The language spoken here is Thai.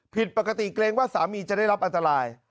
ผิดปกติเกรงว่าสามีจะได้รับอันตราย